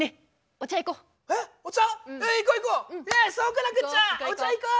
お茶行こう。